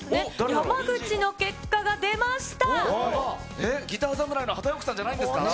山口の結果が出ました。